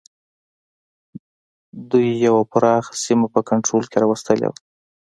دوی یوه پراخه سیمه په کنټرول کې را وستلې وه.